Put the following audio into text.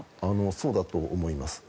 そうだと思います。